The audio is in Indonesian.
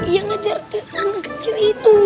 iya ngajar anak kecil itu